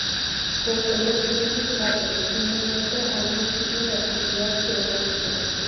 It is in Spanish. Posee muchos cráteres y no muestra algún signo de actividad geológica.